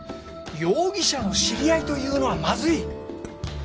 容疑者の知り合いというのはまずい！